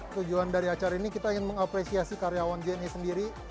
tujuan dari acara ini kita ingin mengapresiasi karyawan jni sendiri